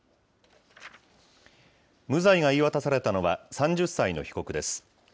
無罪が言い渡されたのは３０歳の被告です。